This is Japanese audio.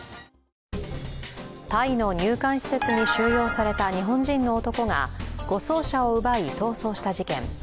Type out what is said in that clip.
タイの入管施設に収容された日本人の男が護送車を奪い逃走した事件。